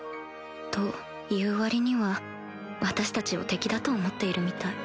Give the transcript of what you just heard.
と言う割には私たちを敵だと思っているみたい